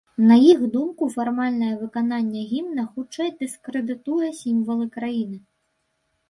На іх думку, фармальнае выкананне гімна хутчэй дыскрэдытуе сімвалы краіны.